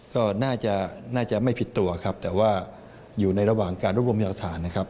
ก็น่าจะไม่ผิดตัวครับแต่ว่าอยู่ในระหว่างการรวมหลักฐานนะครับ